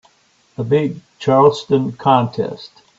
The big Charleston contest.